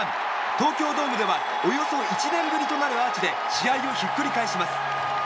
東京ドームではおよそ１年ぶりとなるアーチで試合をひっくり返します。